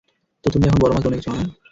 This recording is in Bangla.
তো তুমি এখন বড় মাছ বনে গেছ, অজ?